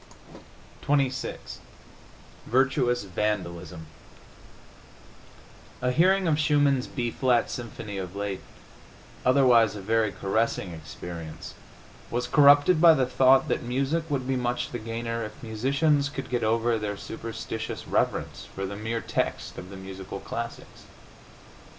XXVII VIRTUOUS VANDALISM A hearing of Schumann's B flat symphony of late, otherwise a very caressing experience, was corrupted by the thought that music would be much the gainer if musicians could get over their superstitious reverence for the mere text of the musical classics.